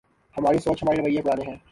ہماری سوچ ‘ ہمارے رویے پرانے ہیں۔